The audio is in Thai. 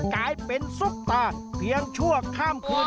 กลายเป็นซุปตาเพียงชั่วข้ามคืน